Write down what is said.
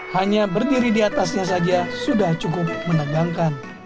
hanya berdiri di atasnya saja sudah cukup menegangkan